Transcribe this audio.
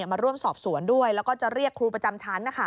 มาร่วมสอบสวนด้วยแล้วก็จะเรียกครูประจำชั้น